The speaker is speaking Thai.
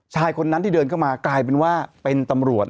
ชายคนนั้นที่เดินเข้ามากลายเป็นว่าเป็นตำรวจ